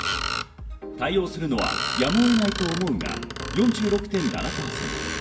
対応するのはやむを得ないと思うが４６．７％。